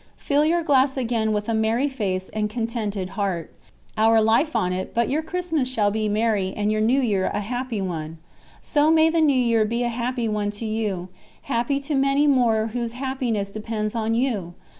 Fill your glass again with a merry face and contented heart. Our life on it, but your Christmas shall be merry and your New Year a happy one. "So may the New Year be a happy one to you, happy to many more whose happiness depends on you!